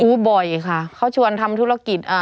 บ่อยค่ะเขาชวนทำธุรกิจอ่า